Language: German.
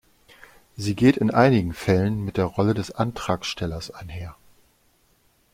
Sie geht in einigen Fällen mit der Rolle des Antragstellers einher.